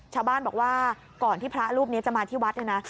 ชาวบ้านบอกว่าก่อนที่พระรูปนี้จะมาที่วัดเนี่ยนะ